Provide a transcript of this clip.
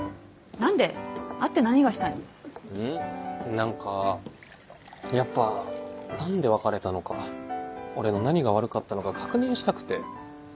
何かやっぱ何で別れたのか俺の何が悪かったのか確認したくて。